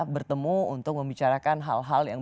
bertemu untuk membicarakan hal hal yang